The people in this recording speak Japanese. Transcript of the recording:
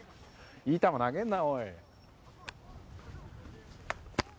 いい球投げるな。